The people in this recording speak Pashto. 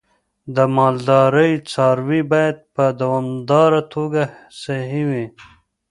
د مالدارۍ څاروی باید په دوامداره توګه صحي وي.